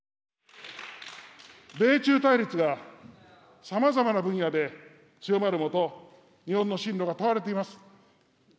米中対立が、さまざまな分野で強まるもと、日本の進路が問われています。